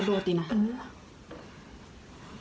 อืม